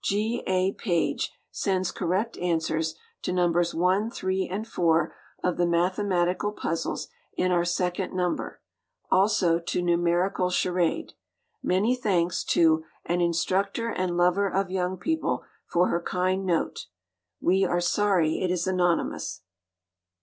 G. A. Page sends correct answers to Nos. 1, 3, and 4 of the mathematical puzzles in our second number; also to numerical charade. Many thanks to "an instructor and lover of young people" for her kind note. We are sorry it is anonymous.